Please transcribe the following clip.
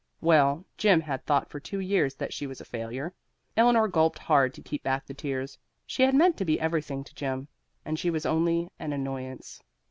Well, Jim had thought for two years that she was a failure. Eleanor gulped hard to keep back the tears; she had meant to be everything to Jim, and she was only an annoyance.